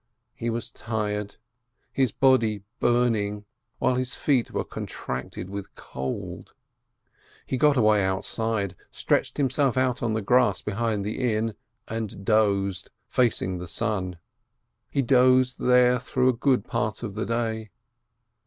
He was tired, his body burning, while his feet were contracted with cold. He got away outside, stretched himself out on the grass behind the inn and dozed, facing the sun. He dozed there through a good part of the day.